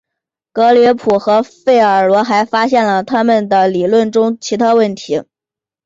格里普和费尔罗还发现了他们理论中的其他问题。